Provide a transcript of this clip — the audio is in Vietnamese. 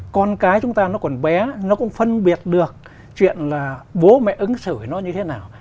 con cái chúng ta nó còn bé nó cũng phân biệt được chuyện là bố mẹ ứng xử nó như thế nào